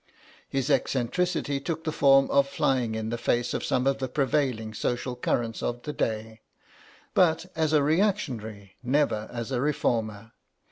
His eccentricity took the form of flying in the face of some of the prevailing social currents of the day, but as a reactionary, never as a reformer.